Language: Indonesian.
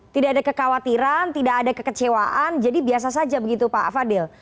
tidak ada kekhawatiran tidak ada kekecewaan jadi biasa saja begitu pak fadil